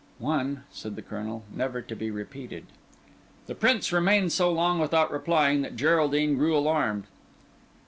"One," said the Colonel, "never to be repeated." The Prince remained so long without replying, that Geraldine grew alarmed.